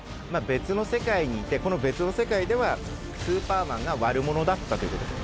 別の世界にいてこの別の世界ではスーパーマンが悪者だったということです。